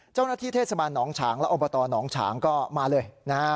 เจ้าหน้าที่เทศบาลหนองฉางและอบตหนองฉางก็มาเลยนะฮะ